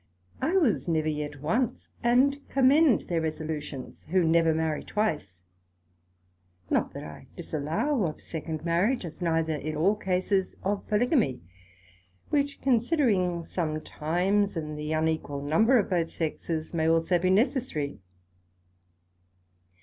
9 I was never yet once, and commend their resolutions who never marry twice: not that I disallow of second marriage; as neither in all cases, of Polygamy, which considering some times, and the unequal number of both sexes, may be also necessary.